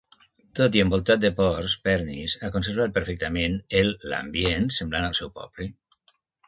Tot i envoltat de ports, Pernis ha conservat perfectament el l'ambient semblant al seu poble.